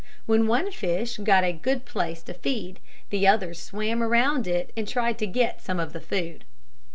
When one fish got a good place to feed the others swam around it and tried to get some of the food.